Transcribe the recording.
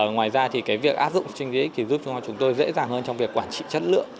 ngoài ra việc áp dụng stringgx giúp chúng tôi dễ dàng hơn trong việc quản trị chất lượng